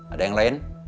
ada yang lain